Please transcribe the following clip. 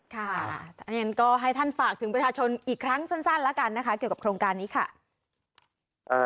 อย่างนั้นก็ให้ท่านฝากถึงประชาชนอีกครั้งสั้นแล้วกันนะคะเกี่ยวกับโครงการนี้ค่ะ